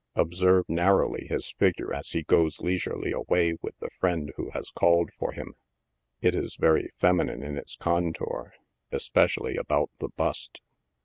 Ob serve narrowly his figure as he goes leisurely away with the friend who has called for him. It is very feminine in its contour — espe cially about the bust.